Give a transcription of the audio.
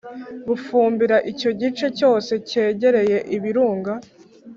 Bufumbira icyo gice cyose kegereye i Birunga